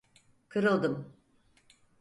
Kırıldım…